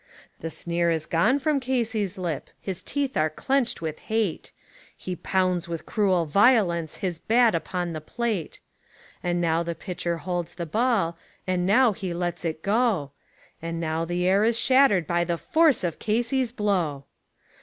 The sneer is gone from Casey's lip, his teeth are clenched with hate; He pounds with cruel violence his bat upon the plate; And now the pitcher holds the ball, and now he lets it go, And now the air is shattered by the force of Casey's blow.